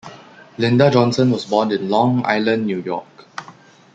Linda Johnson was born in Long Island, New York.